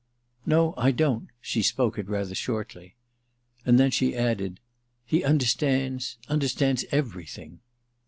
"No, I don't"—she spoke it rather shortly. And then she added: "He understands—understands everything."